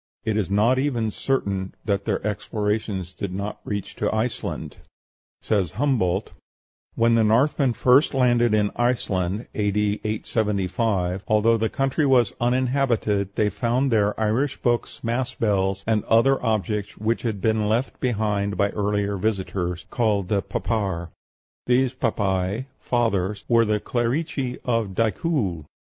It is not even certain that their explorations did not reach to Iceland. Says Humboldt, "When the Northmen first landed in Iceland (A.D. 875), although the country was uninhabited, they found there Irish books, mass bells, and other objects which had been left behind by earlier visitors, called Papar; these papæ (fathers) were the clerici of Dicuil.